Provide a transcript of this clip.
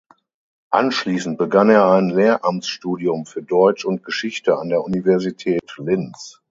Anschließend begann er ein Lehramtsstudium für Deutsch und Geschichte an der Universität Linz.